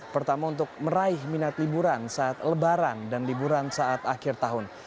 pertama untuk meraih minat liburan saat lebaran dan liburan saat akhir tahun